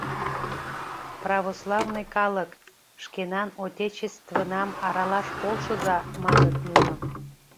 «Православный калык, шкенан отечествынам аралаш полшыза», — маныт нуно.